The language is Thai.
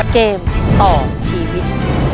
เกมต่อชีวิต